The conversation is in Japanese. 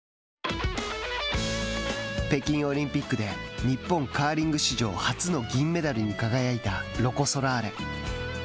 北京オリンピックで日本カーリング史上初の銀メダルに輝いたロコ・ソラーレ。